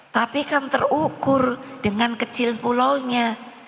tapi kan terukur dengan kecil pulau nya